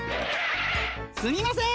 すみません。